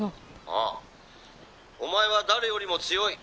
「ああお前は誰よりも強い。